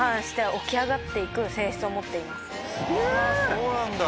そうなんだ。